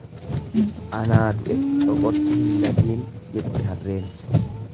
Anaa du'e coqorsi hin latiin jette harreen.